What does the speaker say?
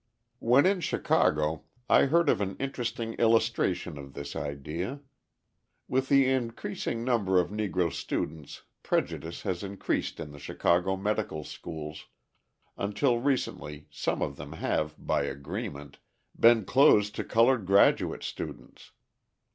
When in Chicago I heard of an interesting illustration of this idea. With the increasing number of Negro students prejudice has increased in the Chicago medical schools, until recently some of them have, by agreement, been closed to coloured graduate students.